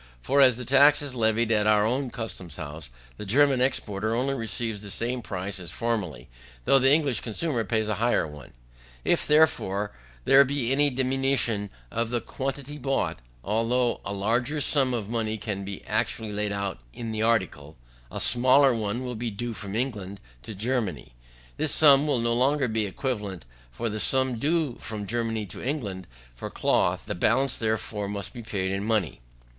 For, as the tax is levied at our own custom house, the German exporter only receives the same price as formerly, though the English consumer pays a higher one. If, therefore, there be any diminution of the quantity bought, although a larger sum of money may be actually laid out in the article, a smaller one will be due from England to Germany: this sum will no longer be an equivalent for the sum due from Germany to England for cloth, the balance therefore must be paid in money.